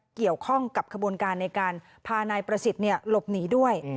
เกี่ยวข้องกับขบวนการในการพานายประสิทธิ์หลบหนีด้วย